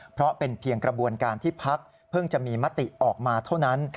เพราะเป็นเพียงกระบวนการที่พักเพิ่งจะมีมติออกมาเท่านั้น